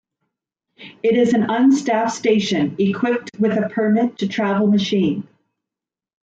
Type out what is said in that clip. It is an unstaffed station equipped with a permit to travel machine.